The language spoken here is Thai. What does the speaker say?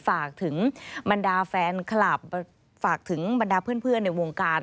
ฝากถึงบรรดาแฟนคลับฝากถึงบรรดาเพื่อนในวงการ